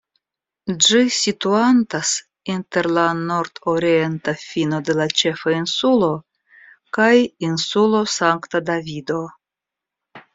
Ĝi situantas inter la nordorienta fino de la ĉefa insulo kaj Insulo Sankta Davido.